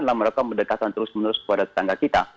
adalah mereka mendekatkan terus menerus kepada tetangga kita